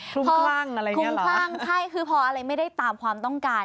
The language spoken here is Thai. คุ้มคล่างอะไรอย่างเงี้ยเหรอคุ้มคล่างใช่คือพออะไรไม่ได้ตามความต้องการ